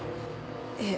ええ。